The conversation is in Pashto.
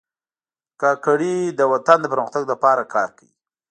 کاکړي د وطن د پرمختګ لپاره کار کوي.